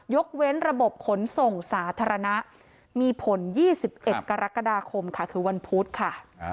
ยกเว้นระบบขนส่งสาธารณะมีผล๒๑กรกฎาคมค่ะคือวันพุธค่ะ